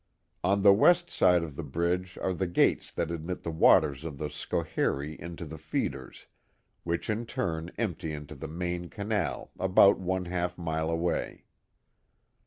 On the west side of the bridge are the gates that admit the waters of the Scho harie into the feeders, which in turn empty into the main canal about one half mile away.